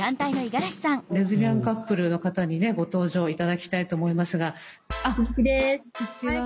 レズビアンカップルの方にねご登場頂きたいと思いますが。